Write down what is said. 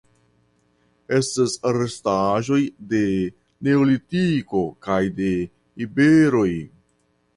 Estas restaĵoj de Neolitiko kaj de iberoj.